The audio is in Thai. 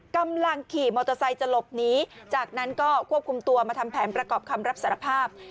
กำลังขี่มอเตอร์ไซค์จะหลบหนีจากนั้นก็ควบคุมตัวมาทำแผนประกอบคำรับสารภาพ